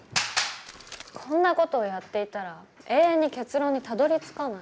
こんな事をやっていたら永遠に結論にたどりつかない。